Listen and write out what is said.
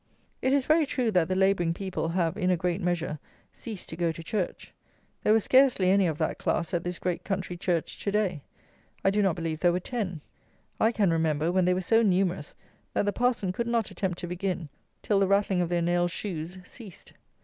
It is very true that the labouring people have, in a great measure, ceased to go to church. There were scarcely any of that class at this great country church to day. I do not believe there were ten. I can remember when they were so numerous that the parson could not attempt to begin till the rattling of their nailed shoes ceased.